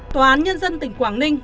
tòa án nhân dân tỉnh quảng ninh